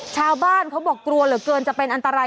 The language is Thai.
ชาวบ้านเขาเกลียวเหลือเกินจะเป็นอันตราย